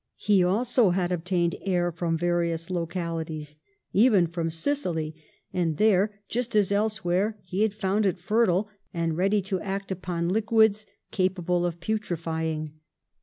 He also had obtained air from various localities, even from Sicily, and there, just as elsewhere, he had found it fertile, and ready to act upon liquids capable of putrefying.